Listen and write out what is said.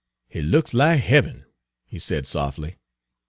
"Hit looks lack hebben," he said softly.